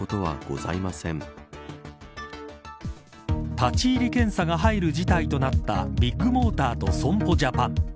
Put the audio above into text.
立ち入り検査が入る事態となったビッグモーターと損保ジャパン